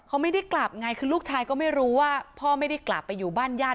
เขาไม่ได้กลับไงคือลูกชายก็ไม่รู้ว่าพ่อไม่ได้กลับไปอยู่บ้านญาติ